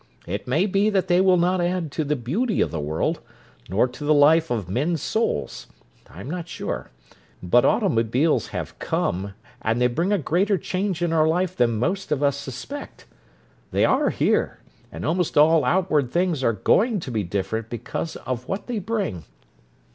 It may be that they will not add to the beauty of the world, nor to the life of men's souls. I am not sure. But automobiles have come, and they bring a greater change in our life than most of us suspect. They are here, and almost all outward things are going to be different because of what they bring.